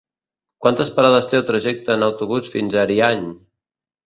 Quantes parades té el trajecte en autobús fins a Ariany?